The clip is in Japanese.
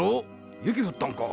雪降ったんか？